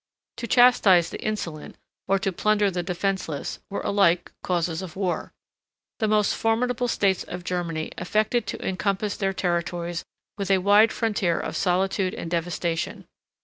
To chastise the insolent, or to plunder the defenceless, were alike causes of war. The most formidable states of Germany affected to encompass their territories with a wide frontier of solitude and devastation.